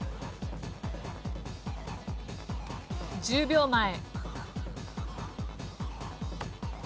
１０秒前。